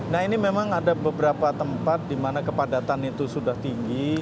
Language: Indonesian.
nah ini memang ada beberapa tempat di mana kepadatan itu sudah tinggi